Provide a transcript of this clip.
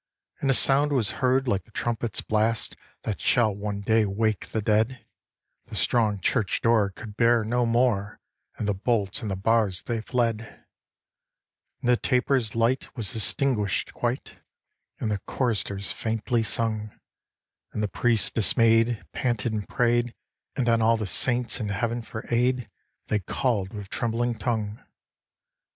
And a sound was heard like the trumpet's blast, That shall one day wake the dead; The strong church door could bear no more, And the bolts and the bars they fled; And the tapers' light was extinguish'd quite, And the Choristers faintly sung, And the Priests dismay'd, panted and pray'd, And on all the Saints in heaven for aid They call'd with trembling tongue.